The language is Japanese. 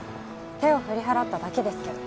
手を振り払っただけですけど。